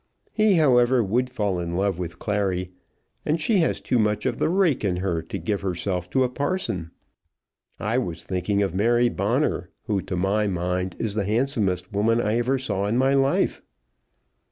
He, however, would fall in love with Clary, and she has too much of the rake in her to give herself to a parson. I was thinking of Mary Bonner, who, to my mind, is the handsomest woman I ever saw in my life."